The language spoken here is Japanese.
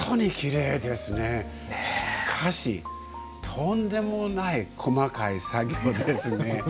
しかしとんでもない細かい作業ですね。